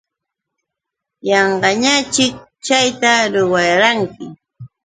Yanqañaćhik chayta ruwayanki.